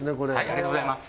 ありがとうございます。